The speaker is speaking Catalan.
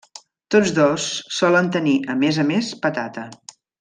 Tots dos solen tenir, a més a més, patata.